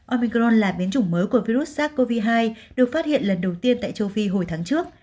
omingron là biến chủng mới của virus sars cov hai được phát hiện lần đầu tiên tại châu phi hồi tháng trước